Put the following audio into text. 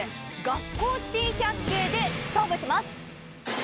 学校珍百景で勝負します！